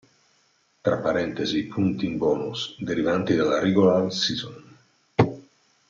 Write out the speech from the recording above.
Tra parentesi i punti in bonus derivanti dalla regular season.